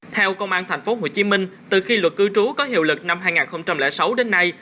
theo công an tp hcm từ khi luật cư trú có hiệu lực năm hai nghìn sáu đến nay